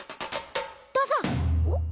どうぞ。